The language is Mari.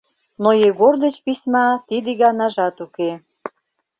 Но Егор деч письма тиде ганажат уке.